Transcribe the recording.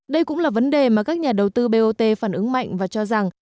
đây cũng là vấn đề mà các nhà đầu tư bot phản ứng mạnh và cho rằng